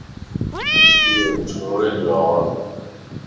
ايو چوڙين جو آواز ھو